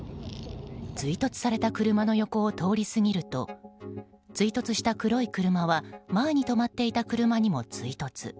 追突された車の横を通り過ぎると追突した黒い車は前に止まっていた車にも追突。